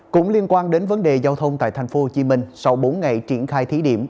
cũng liên quan đến vấn đề giao thông tại thành phố hồ chí minh sau bốn ngày triển khai thí điểm